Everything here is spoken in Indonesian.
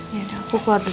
ya udah aku keluar dulu ya